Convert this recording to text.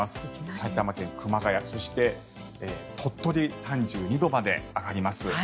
埼玉県熊谷そして鳥取３２度まで上がります。